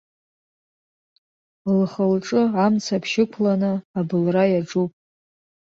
Лхы-лҿы амцаԥшь ықәланы абылра иаҿуп.